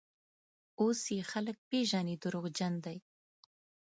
اوس یې خلک پېژني: دروغجن دی.